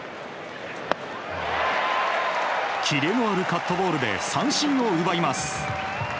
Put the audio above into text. キレのあるカットボールで三振を奪います。